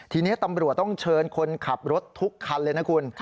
ทีนี้ตำรวจต้องเชิญคนขับรถทุกคันเลยนะคุณ